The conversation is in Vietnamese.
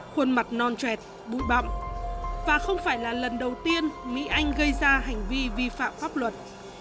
khuôn mặt non trẹt bụi bậm và không phải là lần đầu tiên mỹ anh gây ra hành vi vi phạm pháp luật